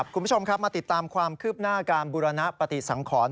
คุณผู้ชมครับมาติดตามความคืบหน้าการบุรณปฏิสังขร